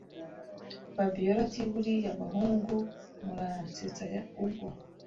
Fabiora ati buriya abahungu muransetsa ubwo